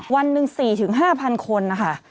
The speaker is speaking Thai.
วันหนึ่ง๔๕๐๐คนนะคะ